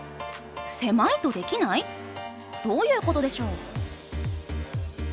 狭いとできない？どういうことでしょう？